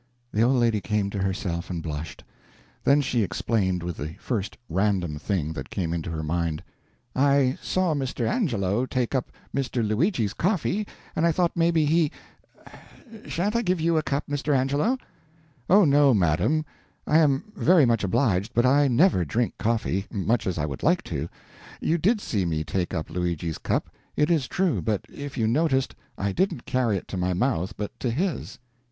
The old lady came to herself and blushed; then she explained with the first random thing that came into her mind: "I saw Mr. Angelo take up Mr. Luigi's coffee, and I thought maybe he sha'n't I give you a cup, Mr. Angelo?" "Oh no, madam, I am very much obliged, but I never drink coffee, much as I would like to. You did see me take up Luigi's cup, it is true, but if you noticed, I didn't carry it to my mouth, but to his."